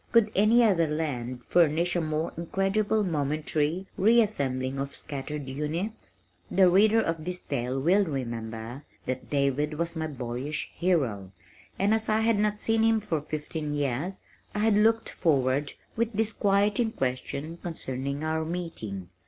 Could any other land furnish a more incredible momentary re assembling of scattered units? The reader of this tale will remember that David was my boyish hero, and as I had not seen him for fifteen years, I had looked forward, with disquieting question concerning our meeting.